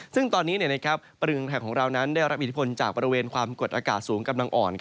ซึ่งตอนนี้ประดูกภักดิ์แห่งของเราได้รับอิทธิพลจากบริเวณความกดอากาศสูงกำลังอ่อน